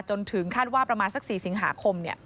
จนถึงคาดว่าสัก๔สิงหาคม